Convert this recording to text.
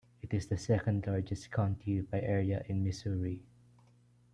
It is the second-largest county by area in Missouri.